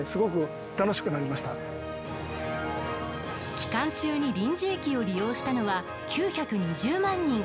期間中に臨時駅を利用したのは９２０万人。